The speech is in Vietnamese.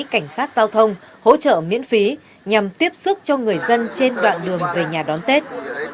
cảnh sát giao thông hỗ trợ miễn phí nhằm tiếp xúc cho người dân trên đoạn đường về nhà đón tết